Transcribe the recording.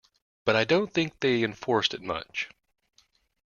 But I don't think they enforced it much.